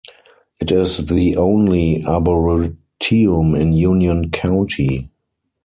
It is the only arboretum in Union County.